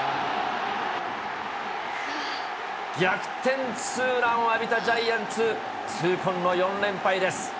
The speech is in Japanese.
逆転ツーランを浴びたジャイアンツ、痛恨の４連敗です。